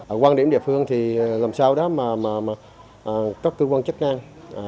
ở quan điểm địa phương lần sau đó các cơ quan chức năng